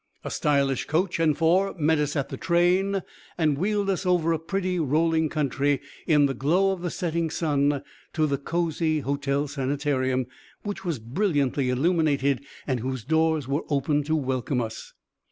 A stylish coach and four met us at the train, and wheeled us over a pretty rolling country, in the glow of the setting sun, to the cozy hotel sanitarium, which was brilliantly illuminated and whose doors were open to welcome us.